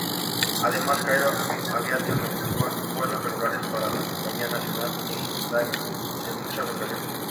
Además Cairo Aviation efectúa vuelos regulares para la compañía nacional EgyptAir en muchas ocasiones.